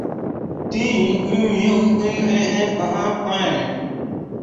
তিনি জিম্মি মুক্তি পেতে মধ্যস্থতা করেন।